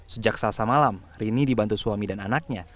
sejak selasa malam rini dibantu suami dan anaknya